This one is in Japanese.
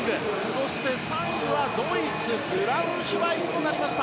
そして３位はドイツ、ブラウンシュバイクとなりました。